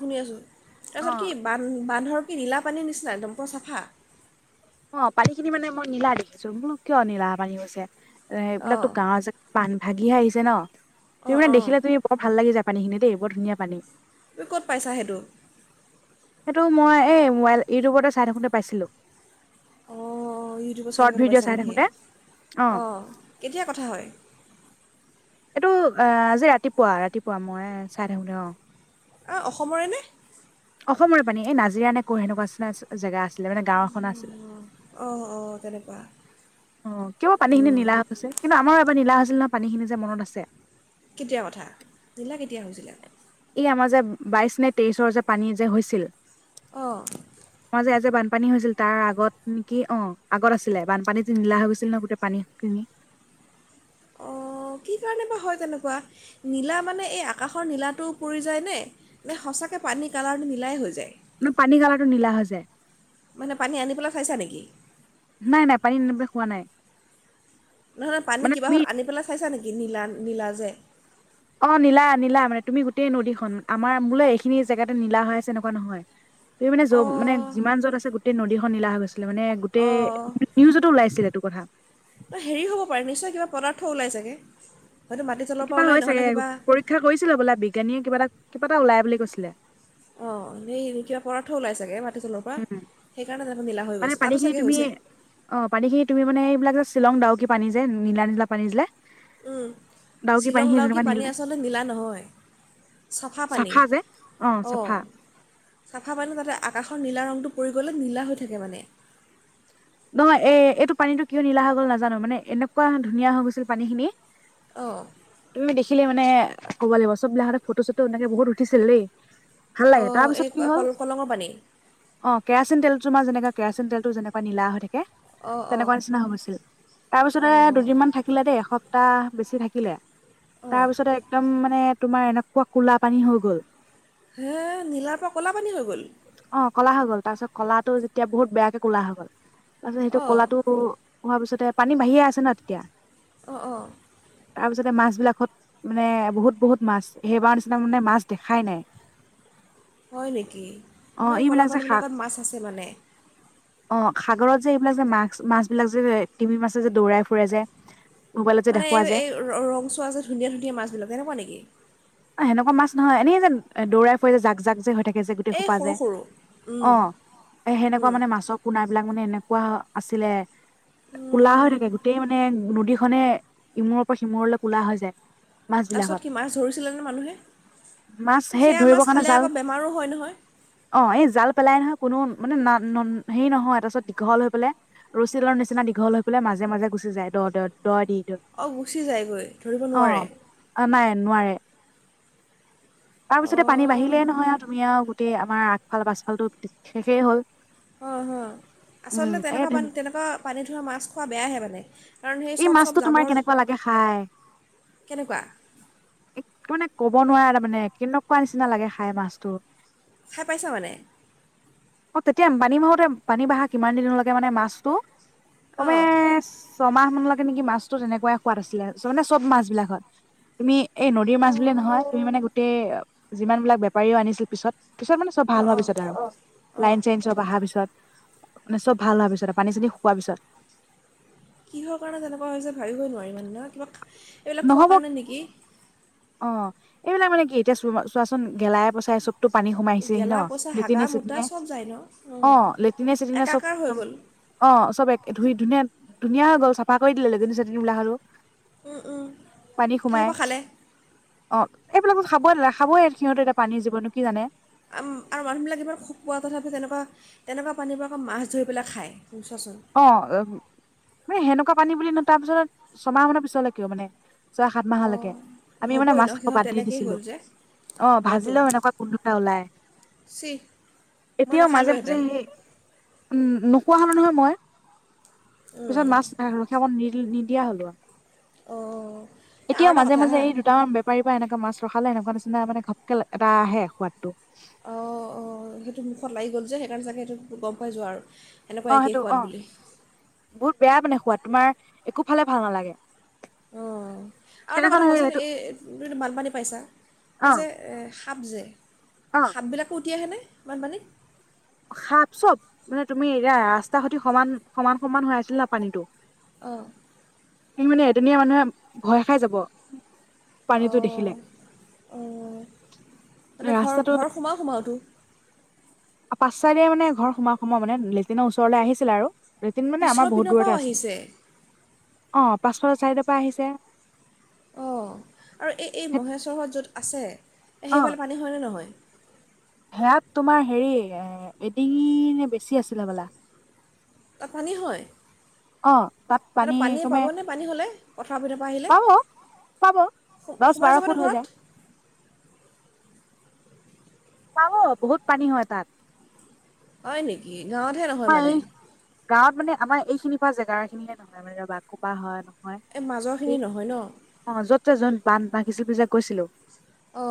শুনি আছোঁ। তাৰপিছত কি অ', বান, বান্ধৰ কি নীলা পানীৰ নিচিনা একদম পুৰা চাফা অহ, পানী খিনি মানে মই নীলা দেখিছোঁ বোলোঁ কিয় নীলা পানী হৈছে এইবিলাকতো অঁ গা জে বান্ধ ভাগিহে আহিছে ন তুমি অঁ মানে অঁ দেখিলে তুমি বৰ ভাল লাগি যায পানীখিনি দেই, বৰ ধুনীয়া পানী তই ক'ত পাইছা সেইটো সেইটো মই এই ম'বাইল, ইউটিউবতে চাই থাকোঁতে পাইছিলোঁ অহ, অহ, ইউটিউবত চাই চৰ্ট থাকোঁতে ভিডিঅ' পাইছা চাই নেকি থাকোতে অ'। অহ, কেতিয়া কথা হয় এইটো এ', আজি ৰাতিপুৱা-ৰাতিপুৱা মই চাই থাকোঁতে, অহ অ অসমৰে নে অসমৰে পানী এ নাজিৰা নে কো সেনেকুৱা নিচিনা জেগা আছিলে মানে গাঁৱ অঁ অঁ তেনেকুৱা উম কিয় পানী খিনি উম, নীলা কিন্তু আমাৰ এবাৰ নীলা আছিল নহয় পানী খিনি যে মনত আছে কেতিয়া কথা নিলা কেতিয়া হৈছিলে ই আমাৰ যে বাইশ নে তেইশৰ যে পানী যে হৈছিল অঁ মই যে আজ যে বানপানী হৈছিল তাৰ আগত নেকি অ আগত আছিলে বানপানী যে নীলা হৈছিল ন গোতে পানী কিনি অ কি কাৰণে বা হয় তেনেকুৱা নীলা মানে এই আকাশৰ নীলাটো পৰি যায়নে নে সঁচাকৈ পানী কালাৰটো নিলাই হৈ যায় ন পানী কালাৰটো নীলা হৈ যায় মানে পানী আনি পেলাই খাইছা নেকি নাই নাই পানী এব খোৱা নাই নহয় পানী মানে কিবা তুমি হত আনি পেলাই চাইছা নেকি নীলা নীলা যে অ নীলা নীলা মানে তুমি গোটেই নদীখন আমাৰ মোলৈ এইখিনি জেগাতে নলা হৈ আছে এনেকুৱা নহয় [unintelligible] তুমি মানে য মানে অঁ যিমান য'ত আছে গোটেই নদীখন নীলা হৈ গৈছিলে মানে গোটেই অঁ নিউজতো ওলাইছিল এইটো কথা অ হেৰি হ'ব পাৰে নিশ্চয় কিবা পদাৰ্থ ওলাই চাগে, হয়তো মাটি তলৰ কিবা পৰা হয় ওলাই চাগে নহ'লে কিবা পৰীক্ষা কৰিছিলে বোলে বিজ্ঞানীয়ে কিবা এটা কিবা এটা ওলাই বুলি কৈছিলে। অ এই কিবা পদার্থ ওলাই চাগে মাটি তলত। পৰা উম সেইকাৰণে তাতো নীলা হৈ মানে গৈছে পানী তাতো খিনি চাগে তুমি হৈছে। অ পানীখিনি তুমি মানে এইবিলাক যে শ্বিলং ডাউকী পানী যে নীলা নীলা পানী ছিলে। উম শ্বিলং ডাউকী পানী নীলা আচলতে নীলা নহয়। চাফা পানী অ। চাফা পানী মানে আকাশৰ নীলা ৰঙটো পৰি গ'লে নীলা হৈ থাকে মানে। নহয় এ এইটো পানীটো কিয় নীলা হৈ গ'ল নাজানো মানে এনেকুৱা ধুনীয়া হৈ গৈছিল পানী খিনি। অঁ তুমি দেখিলে মানে ক'ব লাগিব চববিলাকতে ফটো চটো এনেকে বহুত উঠিছিল দেই। ভাল লাগে অঁ এই তাৰপিছত কি হ'ল। কল কলঙৰ পানী অ কেৰাচিন তেল তোমাৰ যেনেকা কেৰাচিন তেলটো যেনেকুৱা নীলা হৈ থাকে অঁ অঁ তেনেকুৱা নিচিনা হৈ গৈছিল। তাৰপিছতে অঁ দুদিনমান থাকিলে দেই এসপ্তাহ বেছি থাকিলে অঁ তাৰপিছতে একদম মানে তোমাৰ এনেকুৱা কুলা পানী হৈ গ'ল। হে নীলাৰ পৰা ক'লা পানী হৈ গ'ল! অ কলা হৈ গল তাৰ পিছত কলাটো যেতিয়া বহুত বেয়াকে কলা হৈ গল। তাৰপাছত সেইটো অঁ ক'লাটো হোৱাৰ পিছতে পানী বাঢ়িয়ে আছে ন তেতিয়া। অ অ তাৰপিছতে মাছবিলাকত মানে বহুত বহুত মাছ সেইবাৰ নিচিনা মানে মাছ দেখাই নাই। হয় নেকি অ ইমান ক'লা এইবিলাক যে শাক পানীবিলাকত মাছ আছে মানে। অ সাগৰত যে এইবিলাক যে মাছ মাছ বিলাক যে তিমি মাছে যে দৌৰাই ফুৰে যে। মোবাইলত যে মানে দেখুওৱা যে এই ৰং চোৱা যে ধুনীয়া ধুনীয়া মাছবিলাক তেনেকুৱা নেকি? অ সেনেকুৱা মাছ নহয় এনে যে দৌৰাই ফুৰাই যে জাক জাক যে হৈ থাকে। গোটেই এই খোপা যে সৰু সৰু অ উম, এ সেনেকুৱা উম, মানে মাছৰ পোনা বিলাক মানে এনেকুৱা আছিলে কলা হৈ উম। থাকে গোটেই মানে নদীখনে। ইমূৰ পৰা সিমূৰলৈ ক'লা হৈ যায়। মাছ বিলাকত তাৰপিছত কি মাছ ধৰিছিলে জানো মানুহে, মাছ সেই সেয়া মাছ ধৰিবৰ কাৰণে খালে জাল আকৌ বেমাৰো হয় নহয়। অ এই জাল পেলাই নহয় কোনো মানে ন হেৰি নহয় তাৰপিছত দীঘল হৈ পেলাই ৰছী লৰ নিচিনা দীঘল হৈ পেলাই মাজে মাজে গুচি যায় দ দ দ দি দয়। অ গুচি যায়গৈ ধৰিব নোৱাৰে। অ নাই নোৱাৰে। তাৰপিছতে পানী অঁ বাঢ়িলেই নহয় আৰু তুমি আৰু গোটেই আমাৰ আগফাল পাছফালটো শেষেই হ'ল। অ হয় উম আচলতে এই তেনেকুৱা পানী তেনেকুৱা পানীত ধোৱা মাছ খোৱা বেয়াহে মানে। কাৰণ সেই এই চব চব মাছটো তোমাৰ জাবৰ কেনেকুৱা লাগে খাই কেনেকুৱা এক মানে কব নোৱাৰে তাৰ মানে কেনেকুৱা নিচিনা লাগে খাই মাছটো। খাই পাইছা মানে? অ তেতিয়া পানী বাঢ়োতে পানী বাঢ়া কিমান দিনলৈকে মানে মাছটো ক্ৰমে অঁ ছমাহ [unintelligible] লাগে নেকি মাছটো যেনেকুৱাই সোৱাদ আছিলে মানে চব মাছ বিলাক হয় তুমি এই নদীৰ মাছ অঁ বুলিয়ে নহয় তুমি মানে গোটেই যিমান বিলাক বেপাৰীও আনিছিল পিছত। পিছত মানে চব ভাল অঁ হোৱা অঁ পিছত আৰু অঁ লাইন চাইন চব আহাৰ পিছত মানে চব ভাল হোৱা পিছত পানী চানী শুকোৱা পিছত। কিহৰ কাৰণে তেনেকুৱা হৈছে ভাবিবই নোৱাৰি মানে ন কিবা এইবিলাক খোৱাৰ নহ'ব কাৰণে নেকি? অ এইবিলাক মানে কি এতিয়া চ চোৱাচোন গেলাই পঁচাই চব টো পানী সোমাই আহিছেহি ন, গেলা পচা হাগা মুতা লেটিনে-চেটিনে চব যায় ন অ অঁ লেটিনে-চেটিনে চব একাকাৰ হৈ গ'ল অ চব এক ধুই-ধুনীয়া-ধুনীয়া হৈ গ'ল চাফা কৰি দিলে লেটিন-চেতিনবিলাক আৰু। উম উম পানী সোমাই সেইসোপা খালে। অ এইবিলাকো খাবই নেলায়। নেখাবই সিহঁতে এটা পানীৰ জীৱনো কি জানে। আম আৰু মানুহবিলাক ইমান খকুৱা তথাপি তেনেকুৱা তেনেকুৱা পানীৰ পৰা আকৌ মাছ ধৰি পেলাই খায় তুমি চোৱাচোন। অ সেই সেনেকুৱা পানী বুলি ন তাৰ পিছত ছমাহ মানৰ পিছলৈকে কিয় মানে। ছয়-সাত মাহলৈকে অঁ আমি মানে হ'বই ন মাছ খোৱা সিহঁত বাদ দিয়ে তেনেকেই দিছিলো। হ'ল যে অ ভাজিলেও এনেকুৱা গোন্ধ এটা ওলায়। ছিহ! এতিয়াও মাজে মাজে সেই উম নোখোৱা হ'লো নহয় মই। পিছত উম, মাছ [unintelligible] নি নিদিয়া হ'লো, অঁ এ আৰু এতিয়াও এটা মাজে কথা মাজে হা এই দুটা মান বেপাৰীৰ পৰা এনেকুৱ মাছ ৰখালে এনেকুৱা নিচিনা মানে ঘাপকে এটা আহে সোৱাদটো। অ অ সেইটো মুখত লাগি গ'ল যে সেইকাৰণে চাগে সেইটো গম পাই যোৱা আৰু। এনেকুৱা অ একেই সেইটো সোৱাদ অ, বুলি বহুত বেয়া মানে সোৱাদ তোমাৰ একো ফালে ভাল নালাগে। অ আৰু এটা সেইদিনাখন কথা সেই কৱাচোন? সেইটো এই তুমি ত বানপানী পাইছা অ এই যে এ সাপ যে, অ সাপবিলাকো উতি আহেনে বানপানীত? সাপ চব, মানে তুমি এয়া ৰাস্তা সতি সমান সমান সমান হৈ আছিল ন পানীটো অ। উম মানে এদিনীয়া মানুহে ভয় খাই যাব। পানীটো অঁ দেখিলে, ৰাস্তাটো সোমায় সোমোয়াটো। পাছফালে মানে ঘৰ সোমোয় সোমোয় মানে লেটিনৰ ওচৰলৈ আহিছিলে আৰু। লৈটিন মানে পিছৰ আমাৰ বহুত পিনৰ পৰাও দূৰতে আছিল, আহিছে অ পাছফালৰ চাইদৰ পৰা আহিছে। অ এই এই মহেশ্বৰহঁত য'ত আছে অ সেইফালে পানী হয়নেে নহয়? সেয়াত তোমাৰ হেৰি এডিঙিৰ বেছি আছিলে হ'বলা। তাত পানী হয়? অ তাত পানী সিহঁতে পানীয়ে কমে পাবনে পানী হ'লে পথাৰ পিনৰ পৰা আহিলে? পাব পাব দহ সো-সোমাই বাৰ যাবনে ফুট হৈ ঘৰত? যায় পাব বহুত পানী হয় তাত। হয় নেকি? গাঁৱতহে নহয় আমাৰ মানে। এই গাঁৱত মানে আমাৰ এইখিনি পৰা জেগা খিনিহে নহয় মানে [unintelligible] বা হয় নহয়। এই মাজৰখিনি নহয় ন? অ য'ত যে জইন বান ভাঙিছিল বুলি যে কৈছিলো। অ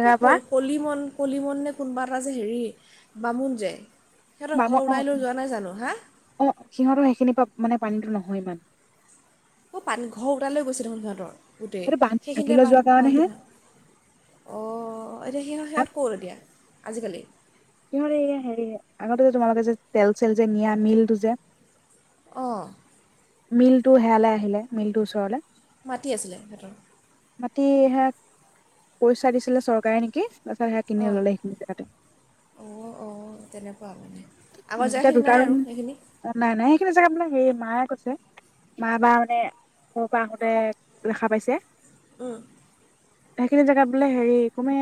কিয় পৰা কল কলি মন কলি মন নে কোনোবা এটা যে হেৰি বামুণ যে সিহঁতৰ বা মই ঘৰ উটাই অ লৈ যোৱা নাই জানো হাঁ? অ সিহঁতৰ সেইখিনি পৰা মানে পানীটো নহয় ইমান। ক'ৰ পানী ঘৰ উটাইলৈ গৈছে দেখোন সিহঁতৰ গোটেই সেইটো বান্ধ সেইখিনিতে ভাগিলৈ যোৱাৰ বান্ধ কাৰণেহে বান্ধটো ভাঙ অ এতিয়া সিহঁত সিহঁত ক'ত এতিয়া আজিকালি? সিহঁতে এইয়া হেৰি আগতে যে তোমালোকে যে তেল-চেল যে নিয়া মিলটো যে অ। মিলটো হেয়ালে আহিলে মিলটোৰ ওচৰলৈ মাটি আছিলে সিঁহতৰ। মাটি হে, পইচা দিছিলে চৰকাৰে নেকি, তাৰপিছত সে কিনি অঁ ললে সেইখিনি জেগাতে। অঁ', - অঁ', - তেনেকুৱা মানে। উম আগৰ এতিয়া জেগাখিনি দুটা নাই ৰুম, আৰু সেইখিনি অ', নাই-নাই সেইখিনি জেগাত বোলে হেয়েই মায়ে কৈছে। মা বা মানে, ঘৰৰ পৰা আহোতে দেখা পাইছে। উম। সেইখিনি জেগাত বোলে হেৰি কমে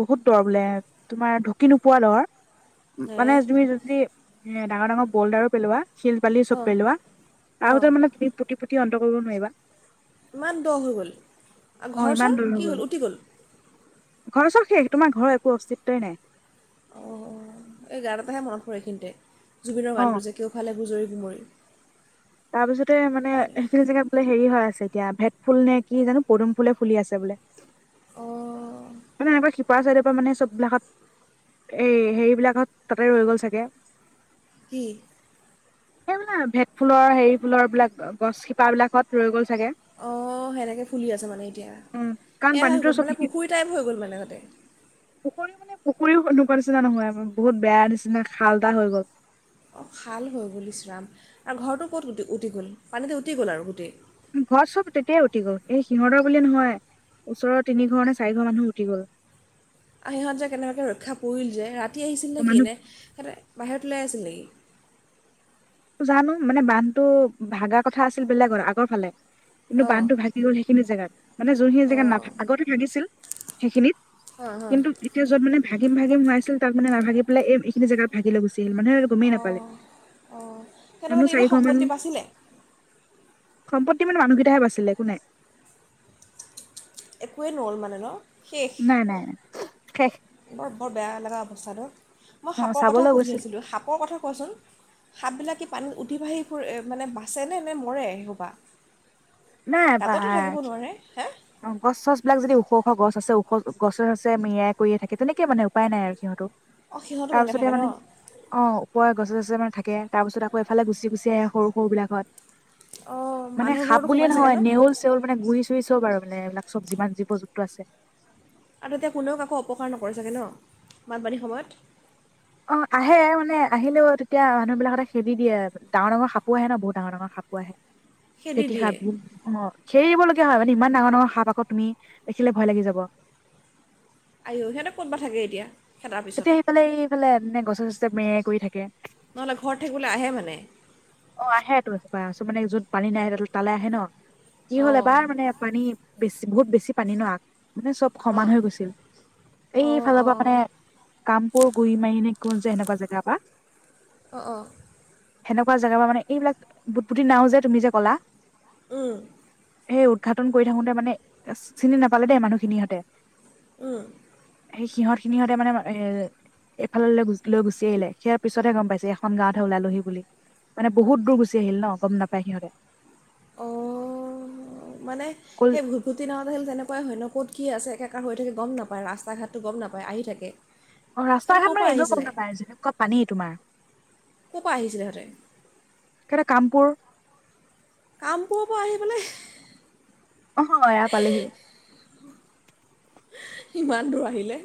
বহুত দ' বোলে তোমাৰ ঢুকি নোপোৱা দ'। হে মানে তুমি যদি, এ ডাঙৰ ডাঙৰ বলডাৰো পেলোৱা। শিল বালি চব অঁ পেলোৱা, আৰু অঁ তাৰ মানে তুমি পুতি পুতি অন্ত কৰিব নোৱাৰিবা। ইমান দ' হৈ গ'ল, অ আৰু ঘৰ-চৰ কি হ'ল উটি গ'ল? ঘৰ-চৰ শেষ তোমাৰ ঘৰৰ একো অস্তিত্বই নাই। অঁ', -অঁহ', এই গান এটাহে মনত পৰে এইখিনিতে, জুবিনৰ অ গানটো যে কেওফালে গুজৰি গুমৰি। তাৰপিছতে মানে সেইখিনি জেগাত বোলে হেৰি হৈ আছে এতিয়া, ভেট ফুল নে কি জানো পদুম ফুলে ফুলি আছে বোলে। উমঁ। মানে এনেকুৱা সিপাৰৰ চাইডৰ পৰা মানে চব বিলাকহত, এই হেৰি বিলাকহত তাতে ৰৈ গ'ল চাগে? কি? সেই মানে ভেট ফুলৰ হেৰি ফুলৰ বিলাক গছ শিপা বিলাকহত ৰৈ গ'ল চাগে। অঁহ', সেনেকৈ ফুলি আছে মানে এতিয়া, উম কাৰণ এয়াহে হৈ পানীতো গ'ল চব মানে পুখুৰী টাইপ হৈ গ'ল মানে তাতে। পুখুৰী মানে পুখুৰী সেনেকুৱা নিচিনা নহয় বহুত বেয়া নিচিনা খাল এটা হৈ গ'ল। অঁহ', খাল হৈ গ'ল ইচৰাম, আৰু ঘৰটো ক'ত উ-উটি গ'ল পানীতে উটি গ'ল আৰু গোটেই? ঘৰ চব তেতিয়াই উটি গ'ল, এই সিহঁতৰ বুলি নহয়। ওচৰৰ তিনি ঘৰ নে চাৰি মানুহ উটি গ'ল। অ', সিহঁত যে কেনেবাকৈ ৰক্ষা পৰিল যে ৰাতি আহিছিল নেকি, মানুহ এনে সিহতে বাহিৰত ওলাই আছিল নেকি? জানো মানে বান্ধটো ভাগা কথা আছিল বেলেগত আগৰ ফালে। কিন্তু অঁ বান্ধটো ভাগি গ'ল সেইখিনি জেগাত, মানে যোনখিনি জেগাত না অঁ আগতে ভাগিছিল, সেইখিনিত। হাঁ হাঁ কিন্তু এতিয়া য'ত মানে ভাগিম- ভাগিম হৈ আছিল তাত মানে নাভাগি পেলাই এইখিনি জেগাত ভাগি লৈ গুছি আহিল মানে অঁ', - অঁ'। সিহঁতৰ মানে মানুহ কিবা চাৰি ঘৰ মান, সম্পত্তি বাচিলে সম্পত্তি মানে মানুহকেইটাহে বাচিলে একো নাই। একোৱে নৰ'ল মানে ন! শেষ। নাই-নাই-নাই, শেষ। বৰ-বৰ বেয়া লগা অৱস্থা ন, মই অ সাপৰ কথা চাবলৈ সুধি গৈছিল আছিলোঁ সাপৰ কথা কোৱাচোন? সাপ বিলাকে পানীত উঠি ভাহি ফুৰে মানে বাচেনে নে মৰে সেই সোপা? নাই গাততো থাকিব বা- নোৱাৰে, হে! অ', গছ-চছ বিলাক যদি উখ-উখ গছ আছে উখ গছে- চছে মেৰিয়াই কৰিয়ে থাকে তেনেকে মানে উপায় নাই আৰু সিহঁতৰো। অঁ সিহঁতো তেনেকৈ তাৰপিছতে থাকে ন মানে, অ', ওপৰে গছে-চছে মানে থাকে। তাৰ পিছত আকৌ এইফালে গুচি-গুচি আহে সৰু-সৰু বিলাকত। অঁ মানে মানুহৰ সাপ ঘৰতো বুলিয়ে সোমাই চাগে নহয় ন নেউল-চেউল মানে গুই চুই চব আৰু মানে এইবিলাক চব যিমান জীৱ-জন্তু আছে। আৰু তেতিয়া কোনেও কাকো অপকাৰ নকৰে চাগে ন, বানপানীৰ সময়ত? অ', আহে মানে আহিলেও তেতিয়া মানুহ বিলাকহতে খেদি দিয়ে, ডাঙৰ-ডাঙৰ সাপো আহে ন বহুত ডাঙৰ- ডাঙৰ সাপো আহে। খেদি ফেটি দিয়ে সাপবোৰ, অঁহ'। খেদি দিবলগীয়া হয় মানে ই ডাঙৰ-ডাঙৰ সাপ আকৌ তুমি, দেখিলে ভয় লাগি যাব। আইঅ সিহঁতে ক'তবা থাকে এতিয়া! খেদাৰ পিছত তেতিয়া সিফালে এইফালে এনে গছে-চছে মেৰিয়াই কৰি থাকে। নহ'লে ঘৰত থাকিবলৈ আহে মানে অ', আহেতো এনেকুৱা চ' মানে যত পানী নাই তালে আহে ন' কি হল অঁ এবাৰ মানে পানী বেছি বহুত বেছি পানী ন' আগ মানে চব সমান অঁ হৈ গৈছিল। অঁ এইফালৰ পৰা মানে কামপুৰ গুৰি মাৰি নে কোন যে এনেকুৱা জেগাৰ পৰা অ', অ', জেগা বা মানে এইবিলাক বুটবদি বুটবুদি নাও যে তুমি যে কলা উম সেই উদঘাটন কৰি থাকোতে মানে চিনি নাপালে দেই মানুহখিনি সিহঁতে উম, সেই সিহঁত খিনিহঁতে মানে এ এইফাললৈ লৈ গুচি আহিলে সেয়া পিছতহে গম পাইছে এইখন গাঁৱতহে ওলালোহি বুলি। মানে বহুত দূৰ গুচি আহিল ন' গম নাপায় সিহঁতে। অ', মানে কল সেই ধুটি নাওঁত আহিল তেনেকুৱাই হয় ন' ক'ত কি আছে একেকাৰ হৈ থাকে গম নাপায় ৰাস্তা ঘাটটো গম নাপায় আহি থাকে [inaudible] অ', ৰাস্তা ঘাট ক'ৰ পৰা মানে এনেও গম আহিছিলে নাপায় যেনেকুৱা পানী তোমাৰ ক'ৰ পৰা আহিছিলে সিহঁতে সিহঁতে কামপুৰ কামপুৰৰ পৰা আহি পেলাই অ', এয়া পালেহি ইমান দূৰ আহিলে